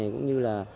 cũng như là